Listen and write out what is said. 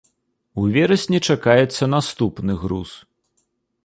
У верасні чакаецца наступны груз.